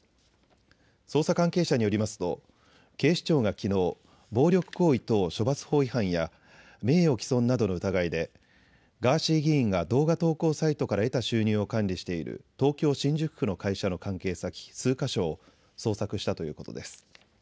捜査関係者によりますと警視庁がきのう暴力行為等処罰法違反や名誉毀損などの疑いでガーシー議員が動画投稿サイトから得た収入を管理している東京新宿区の会社の関係先、数か所を捜索したということです。